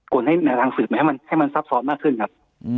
คนให้แนวทางสืบให้มันซับซ้อนมากขึ้นครับ